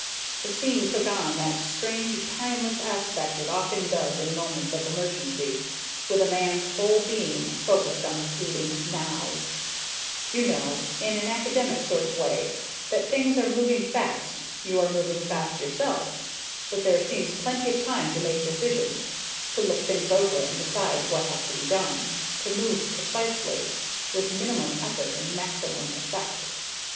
The scene took on that strange timeless aspect it often does in moments of emergency, with a man's whole being focused on the fleeting now you know, in an academic sort of way, that things are moving fast, you are moving fast yourself, but there seems plenty of time to make decisions, to look things over and decide what has to be done, to move precisely, with minimum effort and maximum effect.